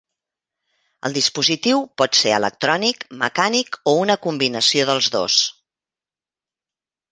El dispositiu pot ser electrònic, mecànic, o una combinació dels dos.